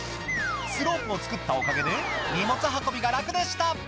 「スロープを作ったおかげで荷物運びが楽でした」